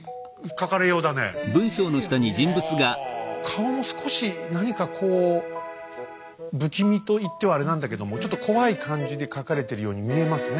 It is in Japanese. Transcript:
顔も少し何かこう不気味といってはあれなんだけどもちょっと怖い感じで描かれてるように見えますね。